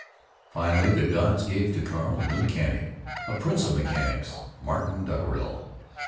Finally the gods gave to Carl a new mechanic, a prince of mechanics, Martin Dockerill.